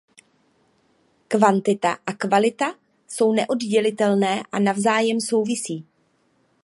Kvantita a kvalita jsou neoddělitelné a navzájem souvisí.